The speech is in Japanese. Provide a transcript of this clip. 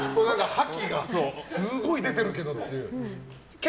覇気がすごい出てるけどっていう。